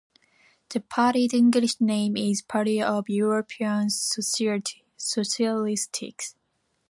The party's English name is "Party of European Socialists".